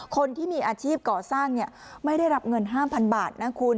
คนที่มีอาชีพก่อสร้างไม่ได้รับเงิน๕๐๐๐บาทนะคุณ